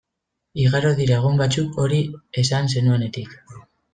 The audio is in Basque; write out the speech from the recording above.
Igaro dira egun batzuk hori esan zenuenetik.